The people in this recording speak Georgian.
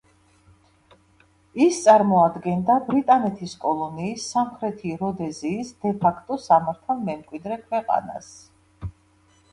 ის წარმოადგენდა ბრიტანეთის კოლონიის სამხრეთი როდეზიის დე ფაქტო სამართალ მემკვიდრე ქვეყანას.